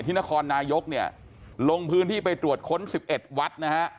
ทินครนายกลงพื้นที่ไปตรวจค้น๑๑วัด